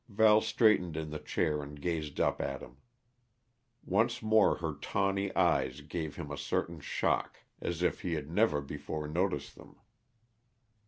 Val straightened in the chair and gazed up at him. Once more her tawny eyes gave him a certain shock, as if he had never before noticed them.